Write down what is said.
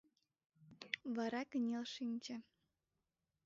Вара кынел шинче.